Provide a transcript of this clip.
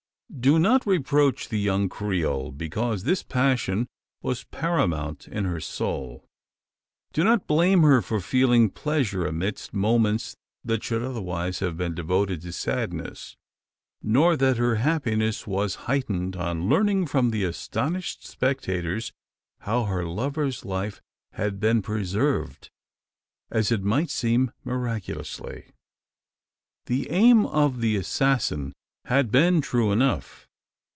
Do not reproach the young Creole, because this passion was paramount in her soul. Do not blame her for feeling pleasure amidst moments that should otherwise have been devoted to sadness. Nor, that her happiness was heightened, on learning from the astonished spectators, how her lover's life had been preserved as it might seem miraculously. The aim of the assassin had been true enough.